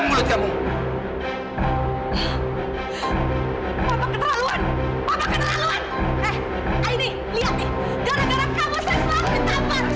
eh aini lihat nih gara gara kamu saya selalu ditampar